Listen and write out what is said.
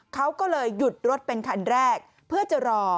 เขาก็เลยหยุดรถเป็นคันแรกเพื่อจะรอ